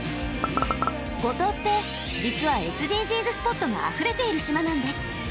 五島って実はＳＤＧｓスポットがあふれている島なんです！